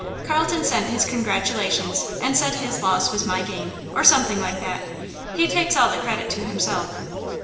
Carlton sent his congratulations and said his loss was my gain, or something like that. He takes all the credit to himself."